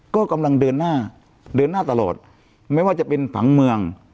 ก็กำลังเดินหน้าเดินหน้าตลอดไม่ว่าจะเป็นผังเมือง